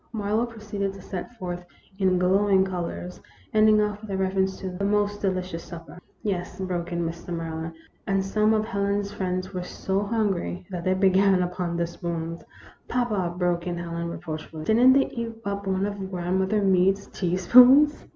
Marlowe proceeded to set it forth in glowing colors, ending off with a reference to " the most delicious supper." " Yes," broke in Mr. Maryland, " and some of Helen's friends were so hungry that they began upon the spoons." " Papa !" broke in Helen, reproachfully. " Did n't they eat up one of grandmother Meade's teaspoons